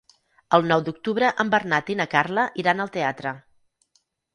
El nou d'octubre en Bernat i na Carla iran al teatre.